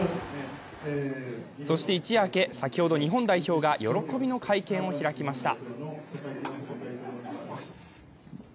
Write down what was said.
そして一夜明け、先ほど日本代表が喜びの会見を開きました。